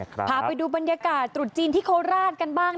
พาไปดูบรรยากาศตรุษจีนที่โคราชกันบ้าง